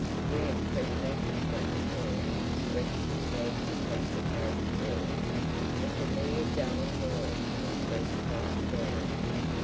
William pressed back his flattened hair and stretched his legs across the carriage floor. The familiar dull gnawing in his breast quietened down.